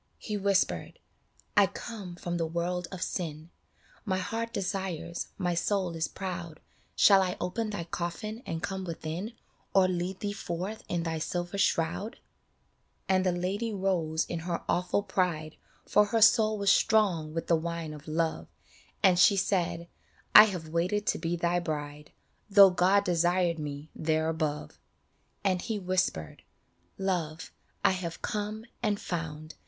He whispered, " I come from the world of sin ; My heart desires, my soul is proud ; Shall I open thy coffin and come within, Or lead thee forth in thy silver shroud ?" And the Lady rose in her awful pride, For her soul was strong with the wine of Love, And she said, " I have waited to be thy bride, Though God desired me there above." And he whispered, " Love, I have come and found